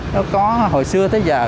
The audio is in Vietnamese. nó có hồi xưa tới giờ